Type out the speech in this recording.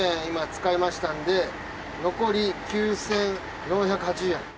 今使いましたんで残り９，４８０円。